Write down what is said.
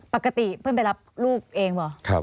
ปกติเพื่อนไปรับลูกเองเหรอ